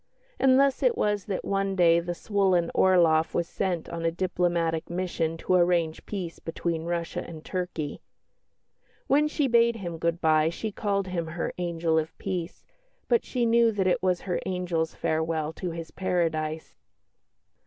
And thus it was that one day the swollen Orloff was sent on a diplomatic mission to arrange peace between Russia and Turkey. When she bade him good bye she called him her "angel of peace," but she knew that it was her angel's farewell to his paradise.